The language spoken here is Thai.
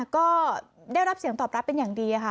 ก็ได้รับเสียงตอบรับเป็นอย่างดีค่ะ